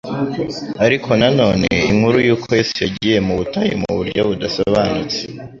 Ariko na none inkuru yuko Yesu yagiye mu butayu mu buryo budasobanutse